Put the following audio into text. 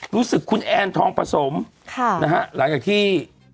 รู้สึกคุณแอนทองผสมค่ะนะฮะหลังจากที่